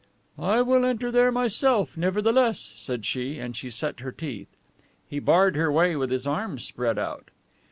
"I will enter there, myself, nevertheless," said she, and she set her teeth. He barred her way with his arms spread out.